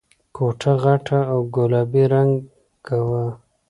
کوټه غټه او گلابي رنګه وه.